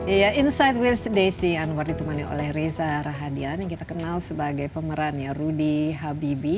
iya insight with desi anwar ditemani oleh reza rahadian yang kita kenal sebagai pemeran ya rudy habibi